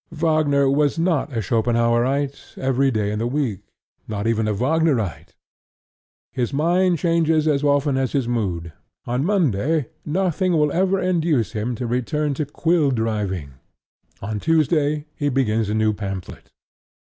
Wagner was not a Schopenhaurite every day in the week, nor even a Wagnerite. His mind changes as often as his mood. On Monday nothing will ever induce him to return to quilldriving: on Tuesday he begins a new pamphlet.